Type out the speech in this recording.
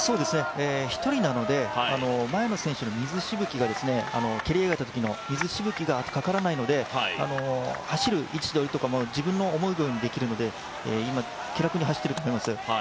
一人なので、前の選手の蹴り上げたときの水しぶきがかからないので走る位置取りとか自分の思い通りにできるので今、気楽に走っていると思います。